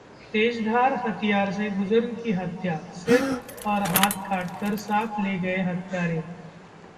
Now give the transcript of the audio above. तेजधार हथियार से बुजुर्ग की हत्या, सिर और हाथ काटकर साथ ले गए हत्यारे